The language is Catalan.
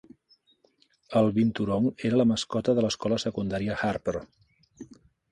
El binturong era la mascota de l'escola secundària Harper.